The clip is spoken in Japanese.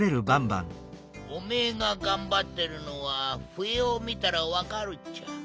おめえががんばってるのはふえをみたらわかるっちゃ。